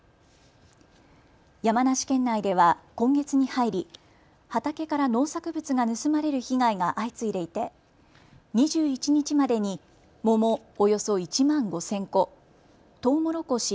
山梨県内では今月に入り、畑から農作物が盗まれる被害が相次いでいて２１日までに桃およそ１万５０００個、とうもろこし